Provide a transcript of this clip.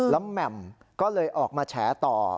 แล้วแหม่มก็เลยออกมาแฉต่อ